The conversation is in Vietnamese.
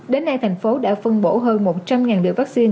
đến nay thành phố đã phân bổ hơn một trăm linh liều vaccine